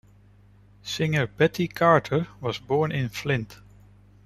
Singer Betty Carter was born in Flint.